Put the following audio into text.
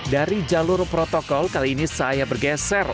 dari jalur protokol kali ini saya bergeser